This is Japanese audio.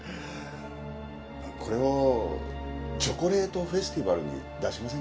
これをチョコレートフェスティバルに出しませんか？